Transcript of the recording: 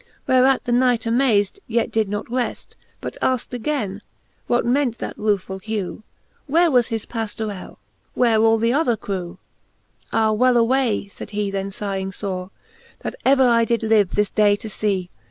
Whereat the Knight amaz'd, yet did not reft. But afkt againe, what ment that rufull hew: Where was his Pajiorell f where all the other crew B XXIX. Ah well away f faid he, then fighing fore. That ever I did live, this day to fee